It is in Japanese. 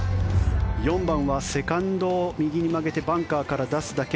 ４番はセカンドを右に曲げてバンカーから出すだけ。